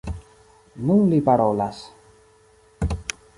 Nun li parolas.